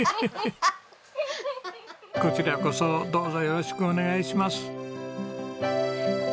こちらこそどうぞよろしくお願いします。